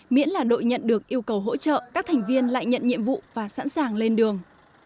miễn là đội nhận được yêu cầu hỗ trợ các thành viên lại nhận nhiệm vụ và sẵn sàng lên đường